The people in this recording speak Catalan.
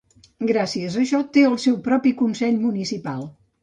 Gràcies a això, té el seu propi Consell Municipal.